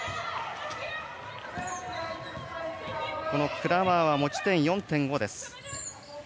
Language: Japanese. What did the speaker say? クラーマーは持ち点４．５です。